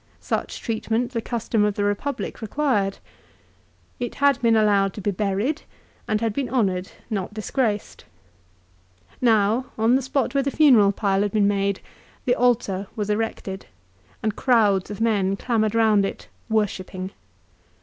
Such treatment the custom of the Republic required. It had been allowed to be buried, and had been honoured, not disgraced. Now, on the spot where the funeral pile had been made, the altar was erected, and crowds of men clamoured round it, worshipping.